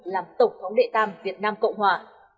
làm tổng thống đệ tam việt nam cộng hòa